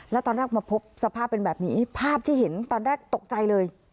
แล้วตอนแรกมาพบสภาพเป็นแบบนี้ภาพที่เห็นตอนแรกตกใจเลย